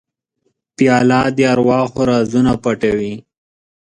پیاله د ارواحو رازونه پټوي.